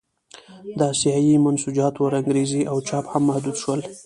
د اسیايي منسوجاتو رنګرېزي او چاپ هم محدود شول.